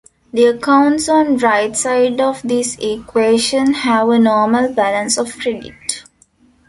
The accounts on right side of this equation have a normal balance of credit.